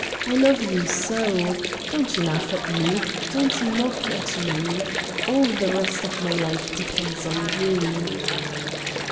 I love you so! Don't laugh at me; don't mock at me. All the rest of my life depends on you."